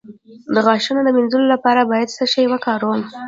د غاښونو د مینځلو لپاره باید څه شی وکاروم؟